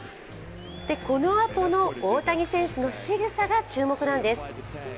このあとの大谷選手のしぐさが注目なんです。